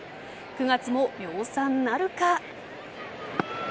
９月も量産なるか。